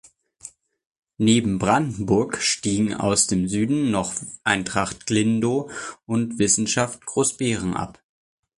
Neben Brandenburg stiegen aus dem Süden noch Eintracht Glindow und Wissenschaft Großbeeren ab.